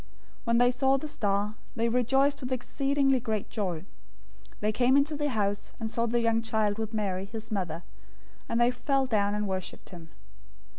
002:010 When they saw the star, they rejoiced with exceedingly great joy. 002:011 They came into the house and saw the young child with Mary, his mother, and they fell down and worshiped him.